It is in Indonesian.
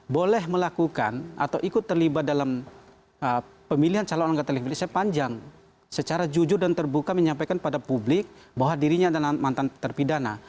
boleh melakukan atau ikut terlibat dalam pemilihan calon anggota televisi sepanjang secara jujur dan terbuka menyampaikan pada publik bahwa dirinya adalah mantan terpidana